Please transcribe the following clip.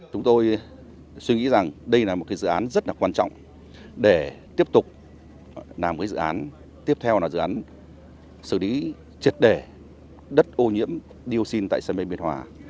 chúng tôi suy nghĩ rằng đây là một dự án rất là quan trọng để tiếp tục làm cái dự án tiếp theo là dự án xử lý triệt đề đất ô nhiễm dioxin tại sân bay biên hòa